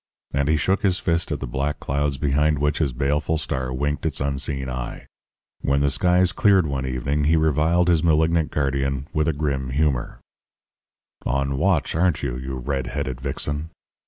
And he shook his fist at the black clouds behind which his baleful star winked its unseen eye. When the skies cleared one evening, he reviled his malignant guardian with grim humour. "'On watch, aren't you, you red headed vixen?